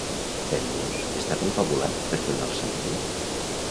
Darios està confabulat per fer un alçament?